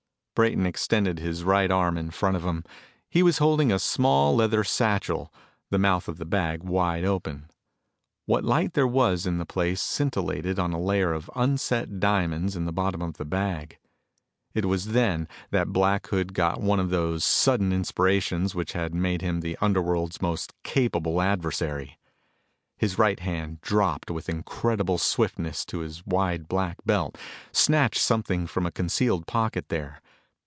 Brayton extended his right arm in front of him. He was holding a small leather satchel, the mouth of the bag wide open. What light there was in the place scintillated on a layer of unset diamonds in the bottom of the bag. It was then that Black Hood got one of those sudden inspirations which had made him the underworld's most capable adversary. His right hand dropped with incredible swiftness to his wide black belt, snatched something from a concealed pocket there.